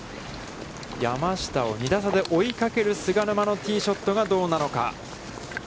山下を２打差で追いかける菅沼のティーショットがどうなのか。